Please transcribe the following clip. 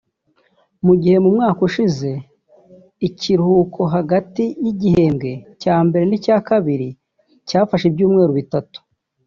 Mu gihe mu mwaka ushize ikirurhuko hagati y’igihembwe cya mbere n’icya kabiri cyafashe ibyumweru bitatu